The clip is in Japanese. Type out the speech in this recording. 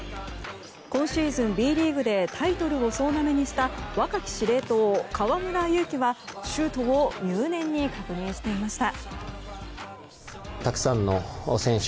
今シーズン、Ｂリーグでタイトルを総なめにした若き司令塔・河村勇輝はシュートを入念に確認していました。